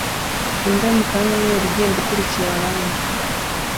Imbwa y'umukara n'umweru igenda ikurikira orange